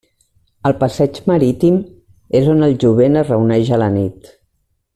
Al passeig marítim és on el jovent es reuneix a la nit.